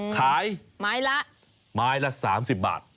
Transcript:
ขายไม้ละ๓๐บาท